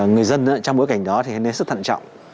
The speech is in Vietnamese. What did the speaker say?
người dân trong bối cảnh đó thì nên sức thận trọng